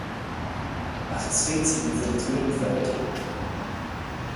Ach is féidir le duine tuairim a bheith aige